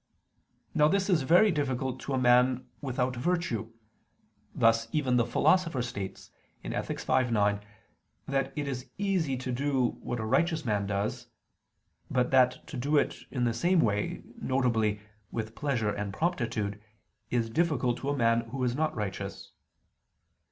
Now this is very difficult to a man without virtue: thus even the Philosopher states (Ethic. v, 9) that it is easy to do what a righteous man does; but that to do it in the same way, viz. with pleasure and promptitude, is difficult to a man who is not righteous.